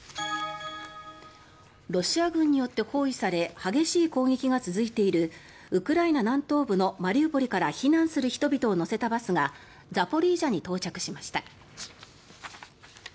ロシア軍によって包囲され激しい攻撃が続いているウクライナ南東部のマリウポリから避難する人々を乗せたバスがザポリージャに到着しました。